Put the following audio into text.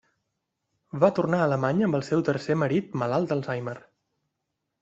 Va tornar a Alemanya amb el seu tercer marit malalt d'Alzheimer.